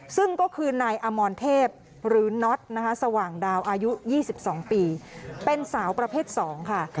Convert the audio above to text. ซึ่งก็คือนายอมรเทพหรือน็อตนะคะสว่างดาวอายุ๒๒ปีเป็นสาวประเภท๒ค่ะ